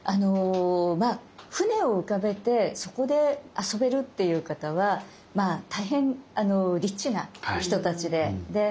船を浮かべてそこで遊べるっていう方は大変リッチな人たちで。